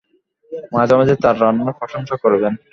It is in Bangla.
মাঝে মাঝে তার রান্নার প্রশংসা করবেন।